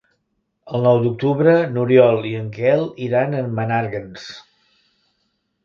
El nou d'octubre n'Oriol i en Quel iran a Menàrguens.